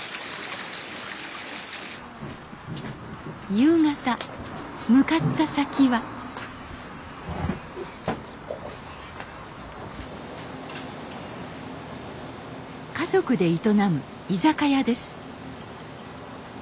夕方向かった先は家族で営む居酒屋です。